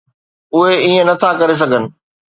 اهي ائين نٿا ڪري سگهن.